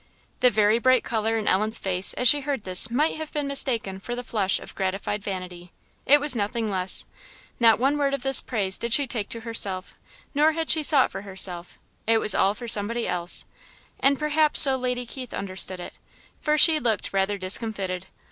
The very bright colour in Ellen's face as she heard this might have been mistaken for the flush of gratified vanity: it was nothing less. Not one word of this praise did she take to herself, nor had she sought for herself; it was all for somebody else; and perhaps so Lady Keith understood it, for she looked rather discomfited.